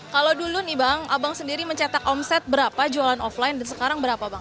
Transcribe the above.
kalau dulu nih bang abang sendiri mencetak omset berapa jualan offline dan sekarang berapa bang